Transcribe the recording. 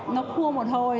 nó khua một hồi